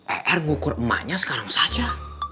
er ngukur emaknya sekarang saja